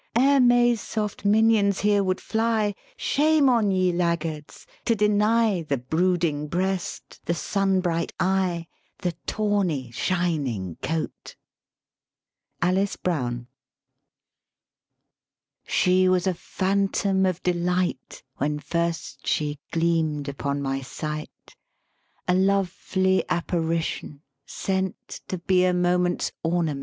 Ere May's soft minions hereward fly, Shame on ye, laggards, to deny The brooding breast, the sun bright eye, The tawny, shining coat!" ALICE BROWN. " She was a Phantom of delight When first she gleam'd upon my sight; A lovely Apparition, sent To be a moment's ornament; 1 By permission of Houghton, Mifflin Co.